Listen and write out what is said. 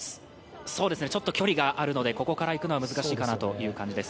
ちょっと距離があるので、ここからいくのは難しいかなという感じです。